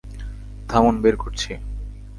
থামুন, বের করছি।